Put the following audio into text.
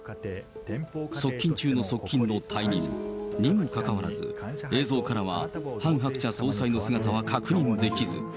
側近中の側近の退任。にもかかわらず、映像からはハン・ハクチャ総裁の姿は確認できず。